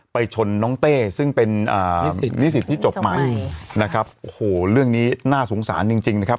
ชนน้องเต้ซึ่งเป็นนิสิตที่จบใหม่นะครับโอ้โหเรื่องนี้น่าสงสารจริงจริงนะครับ